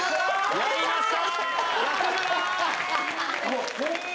やりました！